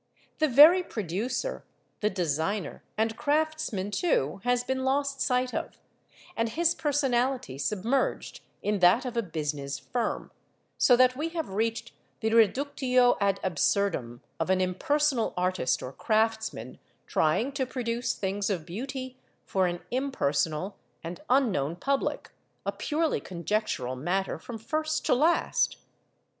The very producer, the designer, and craftsman, too, has been lost sight of, and his personality submerged in that of a business firm, so that we have reached the reductio ad absurdum of an impersonal artist or craftsman trying to produce things of beauty for an impersonal and unknown public a purely conjectural matter from first to last.